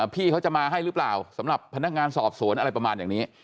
พี่เขาจะมาให้หรือเปล่าสำหรับพนักงานสอบสวนอะไรประมาณอย่างนี้